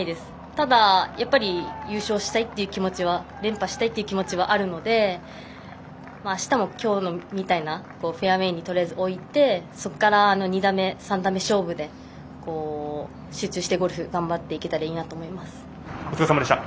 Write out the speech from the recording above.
ただ、やっぱり優勝したいという気持ちは連覇したいという気持ちはあるのであしたも今日みたいにフェアウエーにとりあえず置いてそこから２打目、３打目勝負で集中してゴルフを頑張っていけたらいいなと思いました。